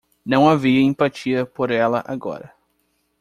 Não havia empatia por ela agora.